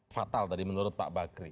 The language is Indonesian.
fatal tadi menurut pak bakri